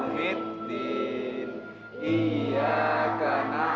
mada denerin aku nama foram